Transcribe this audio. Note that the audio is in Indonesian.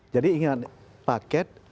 jadi ingat paket